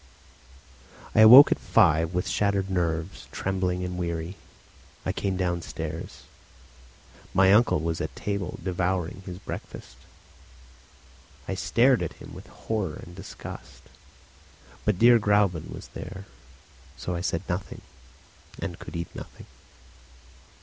I awoke at five with shattered nerves, trembling and weary. I came downstairs. My uncle was at table, devouring his breakfast. I stared at him with horror and disgust. But dear Gräuben was there; so I said nothing, and could eat nothing.